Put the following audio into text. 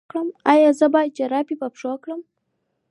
ایا زه باید جرابې په پښو کړم؟